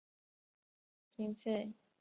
经费来源为财政补助收入和事业收入。